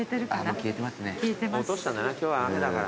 落としたんだな。